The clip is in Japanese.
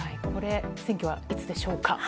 選挙はいつでしょうか？